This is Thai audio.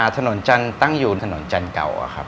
ถนนจันทร์ตั้งอยู่ถนนจันทร์เก่าครับ